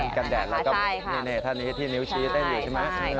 แว่นกันแดดแล้วก็แหน่งแหน่งท่านที่นิ้วชี้เต้นอยู่ใช่ไหม